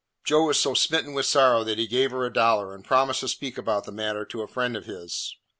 Joe was so smitten with sorrow that he gave her a dollar and promised to speak about the matter to a friend of his.